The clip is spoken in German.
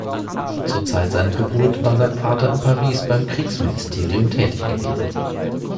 Zur Zeit seiner Geburt war sein Vater in Paris beim Kriegsministerium tätig gewesen.